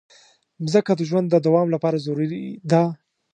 مځکه د ژوند د دوام لپاره ضروري ده.